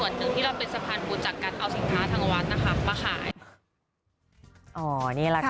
ที่เราเป็นสะพานบุญจากการเอาสินค้าทางวัดนะคะมาขาย